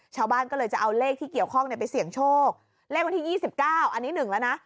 ชาวบ้านก็เลยจะเอาเลขที่เกี่ยวข้องไปเสี่ยงโชคเลขวันที่๒๙อันนี้๑แล้วนะ